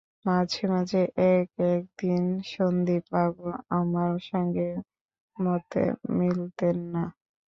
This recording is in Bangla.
মাঝে মাঝে এক-এক দিন সন্দীপবাবু আমার সঙ্গে মতে মিলতেন না।